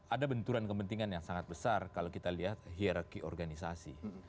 ada benturan kepentingan yang sangat besar kalau kita lihat hierarki organisasi